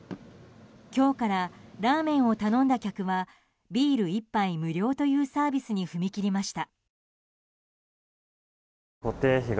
今日からラーメンを頼んだ客はビール１杯無料というサービスに踏み切りました。